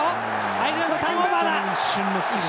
アイルランドターンオーバーだ！